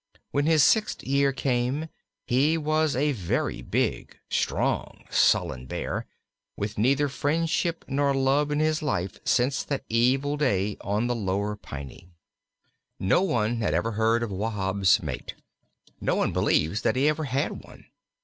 When his sixth year came he was a very big, strong, sullen Bear, with neither friendship nor love in his life since that evil day on the Lower Piney. No one ever heard of Wahb's mate. No one believes that he ever had one.